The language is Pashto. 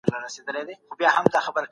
دوه منفي دوه؛ صفر پاته کېږي.